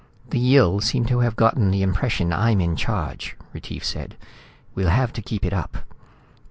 "The Yill seem to have gotten the impression I'm in charge," Retief said, "We'll have to keep it up."